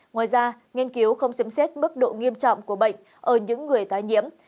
ngoài ra nghiên cứu không xem xét mức độ nghiêm trọng của bệnh ở những người tái nhiễm